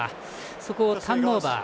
そこをターンオーバー。